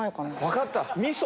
分かった！